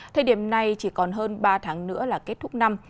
thời điểm này chỉ còn hơn ba tháng nữa là kết thúc năm